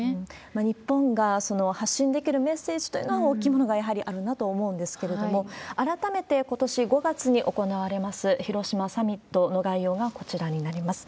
日本が発信できるメッセージというのは大きいものがやはりあると思うんですけれども、改めて、ことし５月に行われます広島サミットの概要がこちらになります。